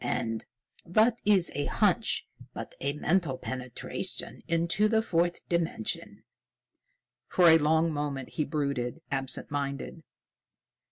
And what is a hunch but a mental penetration into the Fourth Dimension?" For a long moment, he brooded, absent minded.